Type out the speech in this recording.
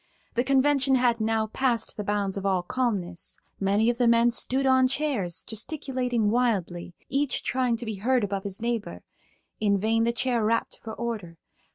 The convention had now passed the bounds of all calmness. Many of the men stood on chairs, gesticulating wildly, each trying to be heard above his neighbor. In vain the Chair rapped for order.